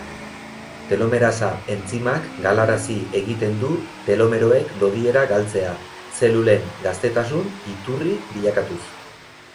Telomerasa entzimak galarazi egiten du telomeroek lodiera galtzea, zelulen gaztetasun iturri bilakatuz.